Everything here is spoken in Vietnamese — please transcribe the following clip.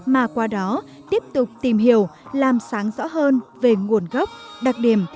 mà qua đó tiếp tục tìm hiểu làm sáng rõ hơn về nguồn gốc đặc điểm